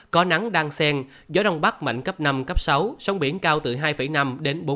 có nắng đăng sen gió đông bắc mạnh cấp năm sáu sông biển cao từ hai năm bốn m